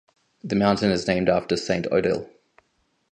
The mountain is named after Saint Odile.